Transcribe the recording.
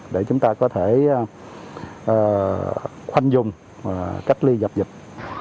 để chúng ta có thể khoanh vùng cách ly dập dịch